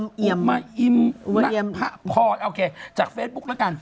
อู่มาเอียมป้าพอร์ตโอเคจากเฟสบุ๊กละกัน